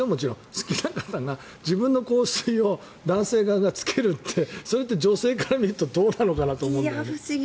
好きな方が自分の香水を男性側がつけるってそれって女性から見るとどうなのかなと。